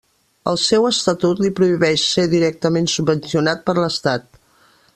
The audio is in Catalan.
El seu estatut li prohibeix ser directament subvencionat per l'Estat.